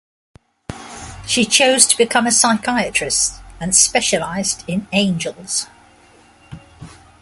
She chose to become a psychiatrist, and specialized in angels.